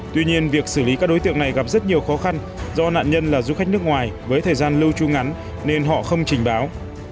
tuy nhiên việc xử lý các đối tượng này gặp rất nhiều khó khăn do nạn nhân là du khách nước ngoài với thời gian lưu tru ngắn nên họ không trình báo